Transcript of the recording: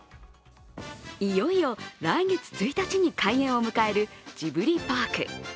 いよいよ来月１日に開園を迎えるジブリパーク。